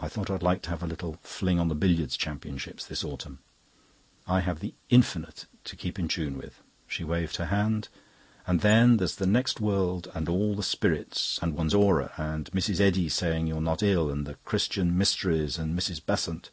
"(I thought I'd like to have a little fling on the billiards championship this autumn.) I have the Infinite to keep in tune with," she waved her hand. "And then there's the next world and all the spirits, and one's Aura, and Mrs. Eddy and saying you're not ill, and the Christian Mysteries and Mrs. Besant.